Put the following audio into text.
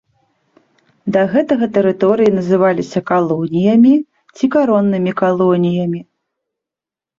Да гэтага тэрыторыі называліся калоніямі ці кароннымі калоніямі.